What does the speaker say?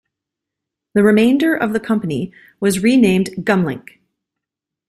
The remainder of the company was renamed Gumlink.